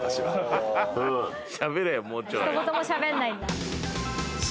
一言もしゃべんないんだ。